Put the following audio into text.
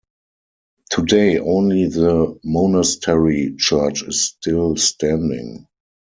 Today only the monastery church is still standing.